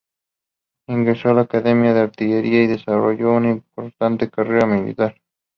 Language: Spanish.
Ingresó en la Academia de Artillería y desarrolló una importante carrera militar.